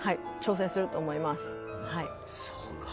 挑戦すると思います。